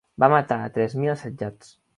Va matar a tres mil assetjats.